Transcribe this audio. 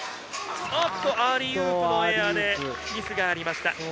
アーリーウープのエアでミスがありました。